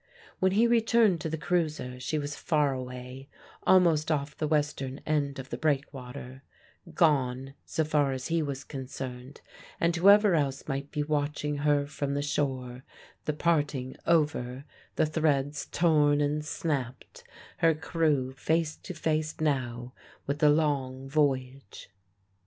When he returned to the cruiser she was far away, almost off the western end of the breakwater gone, so far as he was concerned and whoever else might be watching her from the shore; the parting over, the threads torn and snapped, her crew face to face now with the long voyage.